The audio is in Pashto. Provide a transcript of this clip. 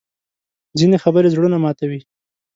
ځینې خبرې زړونه ماتوي